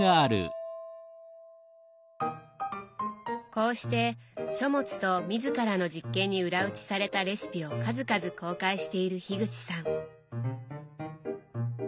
こうして書物と自らの実験に裏打ちされたレシピを数々公開している口さん。